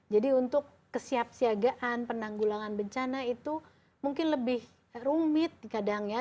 jadi untuk kesiapsiagaan penanggulangan bencana itu mungkin lebih rumit kadang ya